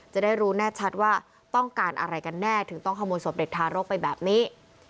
จะได้รู้แน่ชัดว่าต้องการอะไรกันแน่ถึงต้องขโมยศพเด็กทารกไปแบบนี้